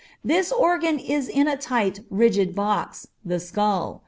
This organ is in a tight, rigid box, the skull.